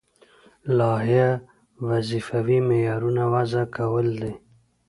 لایحه د وظیفوي معیارونو وضع کول دي.